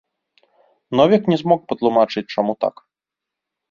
Новік не змог патлумачыць, чаму так.